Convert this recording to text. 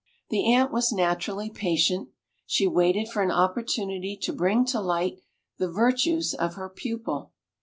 The Ant was naturally patient: she waited for an opportunity to bring to light the virtues of her pupil.